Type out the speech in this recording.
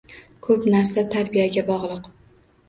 Ko‘p narsa tarbiyaga bog‘liq.